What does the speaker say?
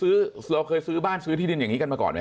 เราเคยซื้อบ้านซื้อที่ดินอย่างนี้กันมาก่อนไหม